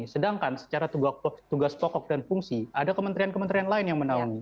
sedangkan secara tugas pokok dan fungsi ada kementerian kementerian lain yang menaungi